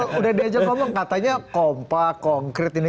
sudah diajak ngomong katanya kompak konkret ini